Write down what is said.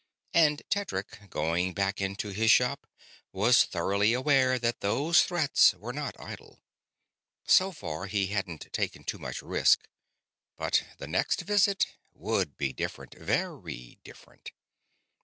And Tedric, going back into his shop, was thoroughly aware that those threats were not idle. So far, he hadn't taken too much risk, but the next visit would be different very different.